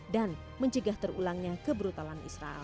dan mencegah terulangnya kebrutalan israel